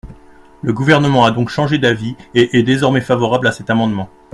Le Gouvernement a donc changé d’avis et est désormais favorable à cet amendement.